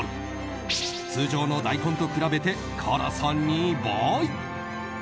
通常の大根と比べて辛さ２倍。